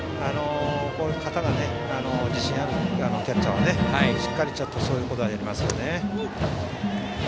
肩に自信があるキャッチャーはしっかりそういうことができますよね。